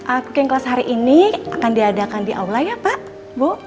aku kengkelas hari ini akan diadakan di aula ya pak bu